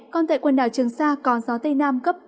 còn tại quần đảo trường sa còn gió tây nam cấp bốn năm